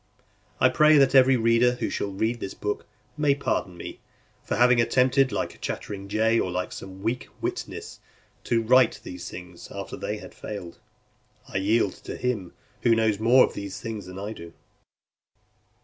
I pray that every reader who shall read this book, may pardon me, for having attempted, like a chattering jay, or like some weak witness, to write these things, after they had failed. I yield to him who knows more of these things than I do.